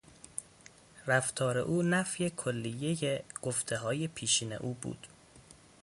رفتار او نفی کلیهی گفتههای پیشین او بود.